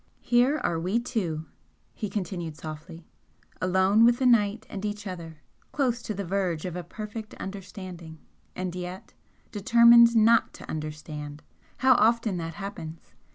"Here are we two," he continued, softly "alone with the night and each other, close to the verge of a perfect understanding and yet determined NOT to understand! How often that happens!